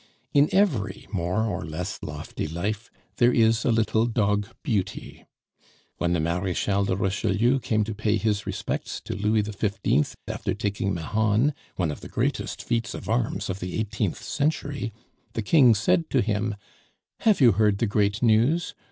In every more or less lofty life, there is a little dog "Beauty." When the Marechal de Richelieu came to pay his respects to Louis XV. after taking Mahon, one of the greatest feats of arms of the eighteenth century, the King said to him, "Have you heard the great news?